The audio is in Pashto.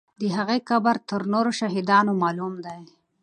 د هغې قبر تر نورو شهیدانو معلوم دی.